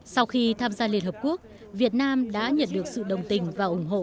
sau khi tham gia liên hợp quốc việt nam đã nhận được sự đồng tình và ủng hộ